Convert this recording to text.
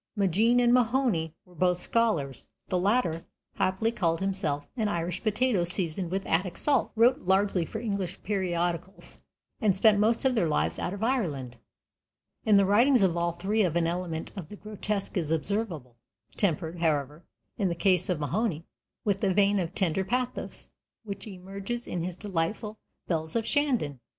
Maginn and Mahony were both scholars the latter happily called himself "an Irish potato seasoned with Attic salt" wrote largely for English periodicals, and spent most of their lives out of Ireland. In the writings of all three an element of the grotesque is observable, tempered, however, in the case of Mahony, with a vein of tender pathos which emerges in his delightful "Bells of Shandon."